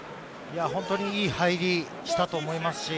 本当にいい入りをしたと思います。